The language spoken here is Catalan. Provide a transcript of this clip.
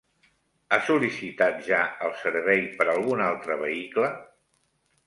Ha sol·licitat ja el servei per algun altre vehicle?